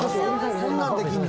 こんなんできるの？